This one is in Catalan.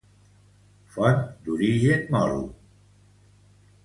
Font d'origen moro.